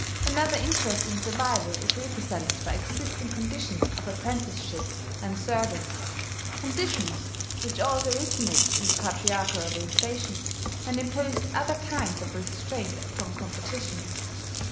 Another interesting survival is represented by existing conditions of apprenticeship and service, conditions which also originated in the patriarchal organization, and imposed other kinds of restraint upon competition.